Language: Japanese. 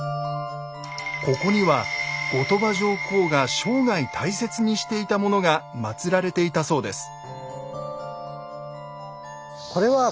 ここには後鳥羽上皇が生涯大切にしていたものがまつられていたそうです。